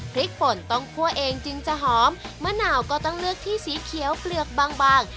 ฝนต้องคั่วเองจึงจะหอมมะนาวก็ต้องเลือกที่สีเขียวเปลือกบางบาง